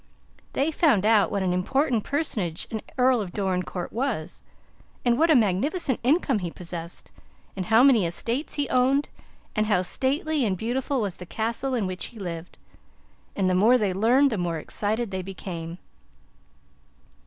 They found out what an important personage an Earl of Dorincourt was, and what a magnificent income he possessed, and how many estates he owned, and how stately and beautiful was the Castle in which he lived; and the more they learned, the more excited they became.